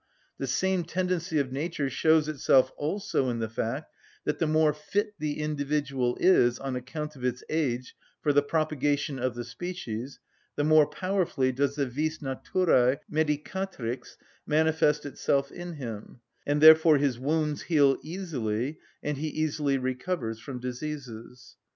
The same tendency of nature shows itself also in the fact that the more fit the individual is, on account of his age, for the propagation of the species, the more powerfully does the vis naturæ medicatrix manifest itself in him, and therefore his wounds heal easily, and he easily recovers from diseases.